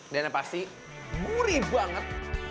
dan pasti gurih banget